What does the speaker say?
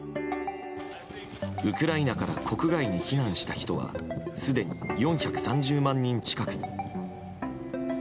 ウクライナから国外に避難した人はすでに４３０万人近くに。